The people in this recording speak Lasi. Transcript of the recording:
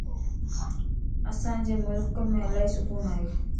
اسان جي ملڪ ڪم الائي سڪون ا